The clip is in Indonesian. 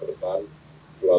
kejelasan dan pahamkanan